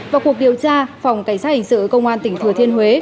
vào cuộc điều tra phòng cảnh sát hình sự công an tỉnh thừa thiên huế